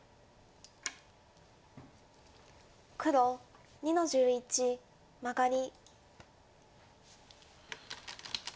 黒２の十一マガリ。